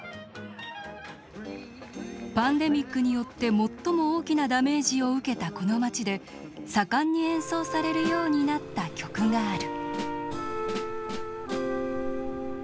パンデミックによって最も大きなダメージを受けたこの街で盛んに演奏されるようになった曲がある。